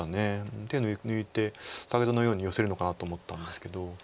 手抜いて先ほどのようにヨセるのかなと思ったんですけど。